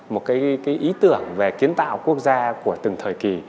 một cái ý tưởng về kiến tạo quốc gia của từng thời kỳ